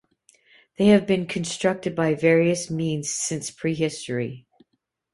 They have been constructed by various means since prehistory.